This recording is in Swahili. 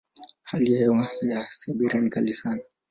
Hali ya hewa ya Siberia ni kali sana.